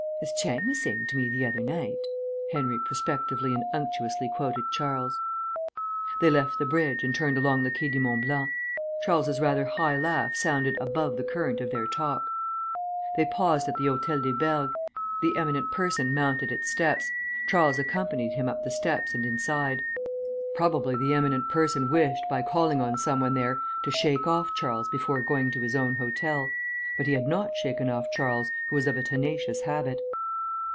"As Chang was saying to me the other night," Henry prospectively and unctuously quoted Charles. They left the bridge, and turned along the Quai du Mont Blanc. Charles's rather high laugh sounded above the current of their talk. They paused at the Hotel des Bergues. The eminent person mounted its steps; Charles accompanied him up the steps and inside. Probably the eminent person wished, by calling on some one there, to shake off Charles before going to his own hotel. But he had not shaken off Charles, who was of a tenacious habit.